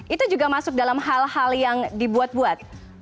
itu juga masuk dalam hal hal yang dibuat buat